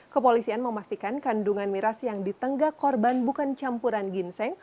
kepolisian memastikan kandungan miras yang ditenggak korban bukan campuran ginseng